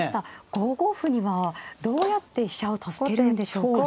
５五歩にはどうやって飛車を助けるんでしょうか。